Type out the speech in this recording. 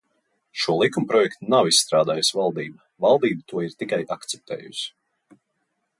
Šo likumprojektu nav izstrādājusi valdība, valdība to ir tikai akceptējusi.